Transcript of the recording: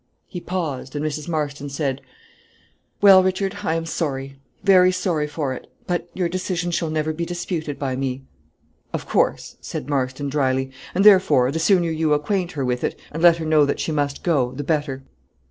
He paused, and Mrs. Marston said "Well, Richard, I am sorry, very sorry for it; but your decision shall never be disputed by me." "Of course," said Marston, drily; "and, therefore, the sooner you acquaint her with it, and let her know that she must go, the better."